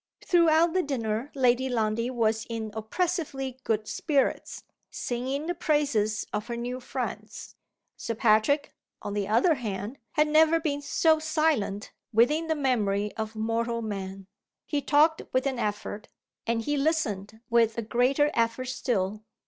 Throughout the dinner Lady Lundie was in oppressively good spirits, singing the praises of her new friends. Sir Patrick, on the other hand, had never been so silent within the memory of mortal man. He talked with an effort; and he listened with a greater effort still.